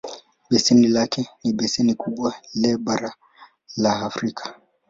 Beseni lake ni beseni kubwa le bara la Afrika.